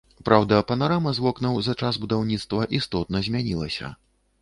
Праўда, панарама з вокнаў за час будаўніцтва істотна змянілася.